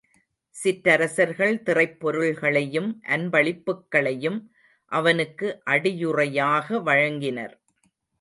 சிற்றரசர்கள் திறைப் பொருள்களையும் அன்பளிப்புக்களையும் அவனுக்கு அடியுறையாக வழங்கினர்.